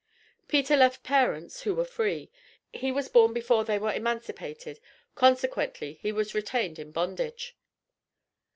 Peter left parents, who were free; he was born before they were emancipated, consequently, he was retained in bondage.